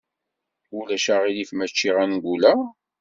Ulac aɣilif ma cciɣ angul-a?